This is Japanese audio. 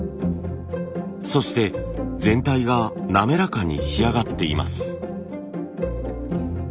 そして全体が滑らかに仕上がっています。